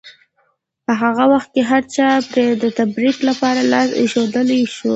په هغه وخت هرچا پرې د تبرک لپاره لاس ایښودلی شو.